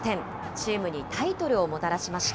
チームにタイトルをもたらしました。